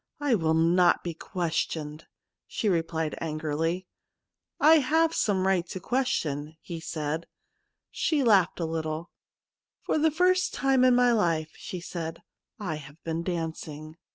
I will not be questioned/ she replied angrily. ' I have some right to question/ he said. She laughed a little. ' For the first time in my life/ she said, ' I have been dancing.'